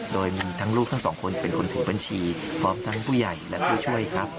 โดยมีทั้งลูกทั้งสองคนเป็นคนถือบัญชีพร้อมทั้งผู้ใหญ่และผู้ช่วยครับ